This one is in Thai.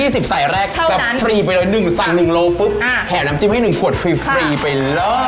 แข่๒๐สายแรกแบบฟรีไปเลย๑สั่ง๑โลกรัมแข่น้ำจิ้มให้๑ขวดฟรีฟรีไปเลย